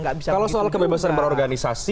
kalau soal kebebasan berorganisasi